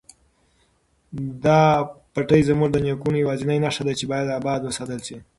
دا پټی زموږ د نیکونو یوازینۍ نښه ده چې باید اباد وساتل شي.